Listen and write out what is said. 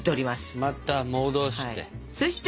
また戻して。